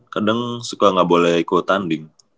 kadang suka nggak boleh ikut tanding